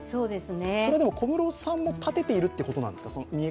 それでも小室さんを立てているということなんですか。